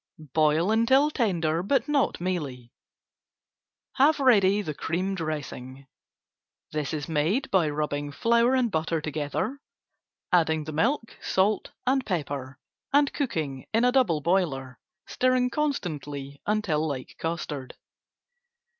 Boil until tender, but not mealy. Have ready the cream dressing. This is made by rubbing flour and butter together, adding the milk, salt and pepper, and cooking in double boiler, stirring constantly until like custard.